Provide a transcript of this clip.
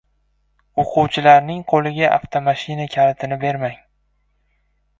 O‘quvchilarning qo‘liga avtomashina kalitini bermang!